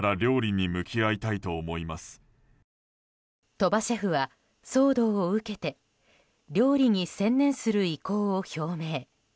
鳥羽シェフは騒動を受けて料理に専念する意向を表明。